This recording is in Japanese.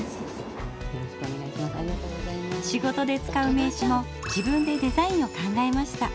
仕事で使う名刺も自分でデザインを考えました。